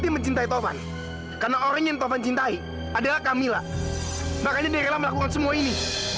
makanya dirilah melakukan semua ini